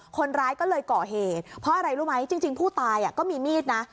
คนร้ายก็เลยก่อเหตุเพราะอะไรรู้ไหมจริงผู้ตายก็มีมีดนะ